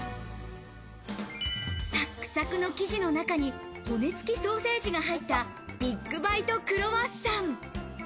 サクサクの生地の中に骨付きソーセージが入ったビッグバイト・クロワッサン。